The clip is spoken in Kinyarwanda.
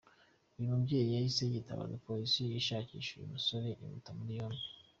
Uyu mubyeyi yahise yitabaza polisi ishakisha uyu musore imuta muri yombi.